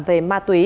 về ma túy